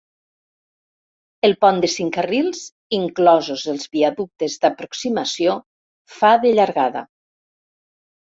El pont de cinc carrils, inclosos els viaductes d'aproximació, fa de llargada.